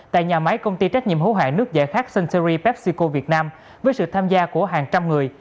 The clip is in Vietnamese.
tại nhà máy công ty trách nhiệm hỗ hại nước giải khắc suntory pepsico việt nam với sự tham gia của hàng trăm người